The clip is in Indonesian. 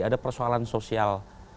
ada persoalan sosial